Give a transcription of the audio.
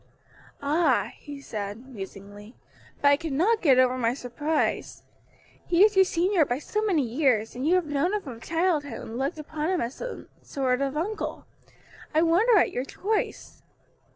"Ah!" he said, musingly; "but I cannot get over my surprise; he is your senior by so many years, and you have known him from childhood and looked upon him as a sort of uncle. I wonder at your choice."